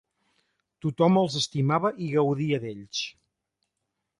Tothom els estimava i gaudia d'ells.